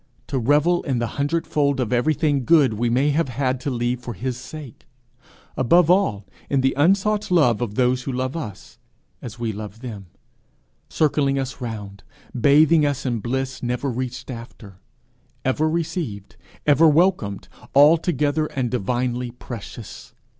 to revel in the hundredfold of everything good we may have had to leave for his sake above all, in the unsought love of those who love us as we love them circling us round, bathing us in bliss never reached after, ever received, ever welcomed, altogether and divinely precious!